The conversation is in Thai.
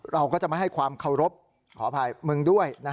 เราก็จะไม่ให้ความเคารพขออภัยมึงด้วย